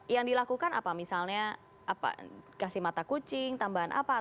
yang dilakukan apa misalnya kasih mata kucing tambahan apa